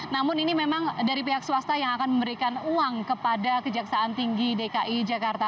namun ini memang dari pihak swasta yang akan memberikan uang kepada kejaksaan tinggi dki jakarta